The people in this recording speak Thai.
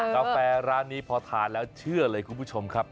กาแฟร้านนี้พอทานแล้วเชื่อเลยคุณผู้ชมครับ